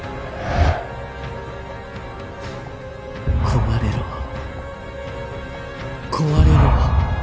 壊れろ壊れろ